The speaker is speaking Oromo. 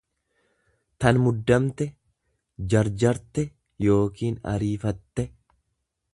tan muddamte, Jarjarte yookiin ariifatte.